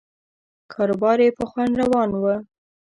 کاروبار یې په خوند روان و.